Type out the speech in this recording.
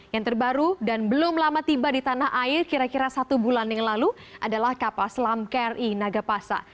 yang terbaru dan belum lama tiba di tanah air kira kira satu bulan yang lalu adalah kapal selam kri nagapasa